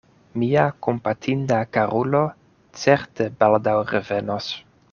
Mia kompatinda karulo certe baldaŭ revenos.